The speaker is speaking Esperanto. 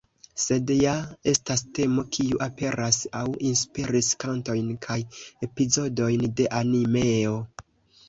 Sed ja estas temo kiu aperas aŭ inspiris kantojn kaj epizodojn de animeo.